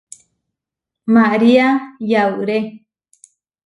María yauré.